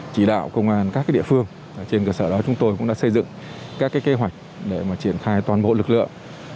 chỉ đạo công an các địa phương trên cơ sở đó chúng tôi cũng đã xây dựng các kế hoạch để triển khai toàn bộ lực lượng